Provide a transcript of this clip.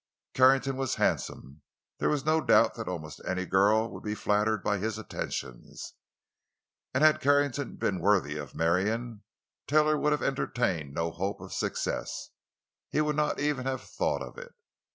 Carrington was handsome; there was no doubt that almost any girl would be flattered by his attentions. And had Carrington been worthy of Marion, Taylor would have entertained no hope of success—he would not even have thought of it.